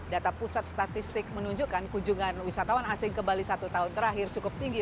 data pusat statistik menunjukkan kunjungan wisatawan asing ke bali satu tahun terakhir cukup tinggi